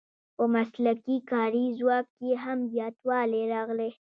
په مسلکي کاري ځواک کې هم زیاتوالی راغلی.